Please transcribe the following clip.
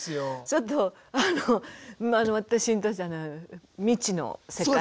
ちょっとあの私にとっては未知の世界ですね。